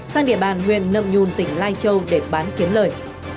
sang địa bàn huyện nầm nhun tỉnh lai châu để bán kiến lời